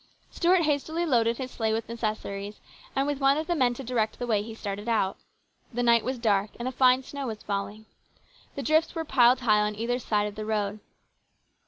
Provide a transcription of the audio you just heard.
Stuart hastily loaded his sleigh with necessaries, and with one of the men to direct the way he started out. The night was dark and a fine snow PLANS GOOD AND BAD. 187 was falling. The drifts were piled high on either side of the road.